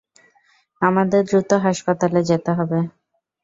আমাদের দ্রুত হাসপাতালে যেতে হবে!